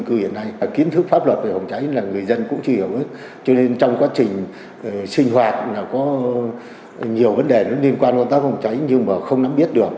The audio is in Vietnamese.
có nhiều vấn đề liên quan đến công tác phòng cháy nhưng không biết được